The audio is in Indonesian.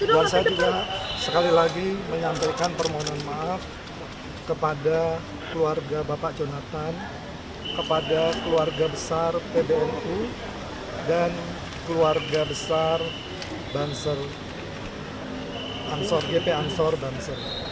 saya juga sekali lagi menyampaikan permohonan maaf kepada keluarga bapak jonathan kepada keluarga besar pbnu dan keluarga besar banser gp ansor banser